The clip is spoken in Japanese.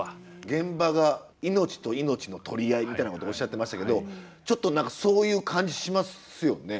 現場が命と命の取り合いみたいなことおっしゃってましたけどちょっと何かそういう感じしますよね。